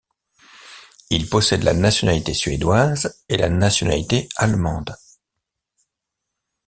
Il possède la nationalité suédoise et la nationalité allemande.